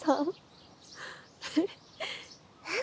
えっ？